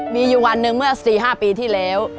มีอยู่วันหนึ่งเมื่อ๔๕ปีที่แล้ว